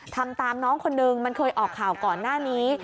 ทำตามน้องคนนึงมันเคยออกข่าวก่อนหน้านี้